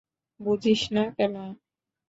বুঝিস না কেন।